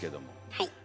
はい。